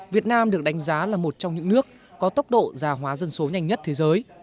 việt nam được đánh giá là một trong những nước có tốc độ già hóa dân số nhanh nhất thế giới